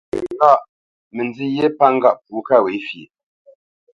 Máni ghâʼ mə nzî ghyé pə ŋgâʼ pʉ̌ gho ká ghwě fyeʼ.